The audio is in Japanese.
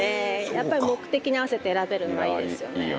やっぱり、目的に合わせて選べるのがいいですよね。